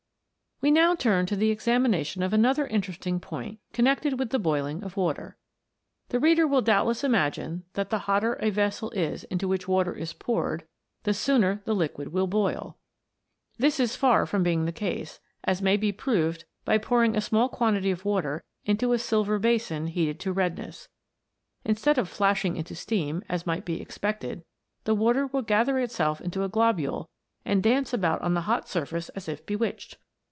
We now turn to the examination of another in teresting point connected with the boiling of water. The reader will doubtless imagine that the hotter a vessel is into which water is poured the sooner the liquid will boil. This is far from being the case, as may be proved by pouring a small quantity of water into a silver basin heated to redness. Instead of flashing into steam, as might be expected, the water will gather itself into a globule and dance about on the hot surface as if bewitched.